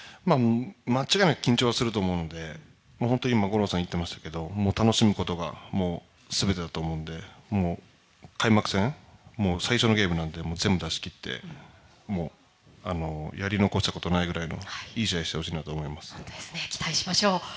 間違いなく緊張はすると思うので本当に今、五郎さん言ってましたけど楽しむことがすべてだと思うんで開幕戦最初のゲームなんで全部、出しきってやり残したことないぐらいのいい試合をしてほしいなと思います。